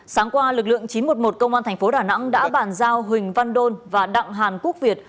sáng qua lực lượng chín trăm một mươi một công an thành phố đà nẵng đã bàn giao huỳnh văn đôn và đặng hàn quốc việt